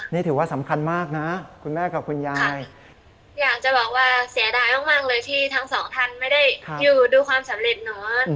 นี่ถือว่าสำคัญมากนะคุณแม่กับคุณยายอยากจะบอกว่าเสียดายมากเลยที่ทั้งสองท่านไม่ได้อยู่ดูความสำเร็จเนอะ